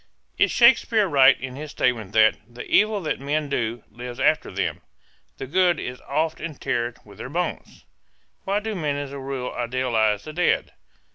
Is Shakespeare right in his statement that "The evil that men do lives after them; the good is oft interred with their bones"? Why do men as a rule idealize the dead?